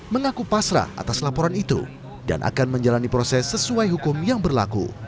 mengaku pasrah atas laporan itu dan akan menjalani proses sesuai hukum yang berlaku